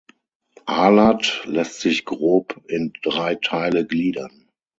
Ahlat lässt sich grob in drei Teile gliedern.